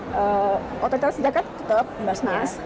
jadi otoritas zakat tetap basnas